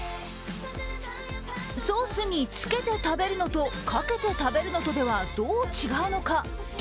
ソースにつけて食べるのと、かけて食べるとでは、どう違うのか